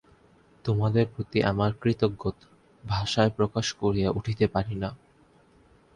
তোমাদের প্রতি আমার কৃতজ্ঞতা ভাষায় প্রকাশ করিয়া উঠিতে পারি না।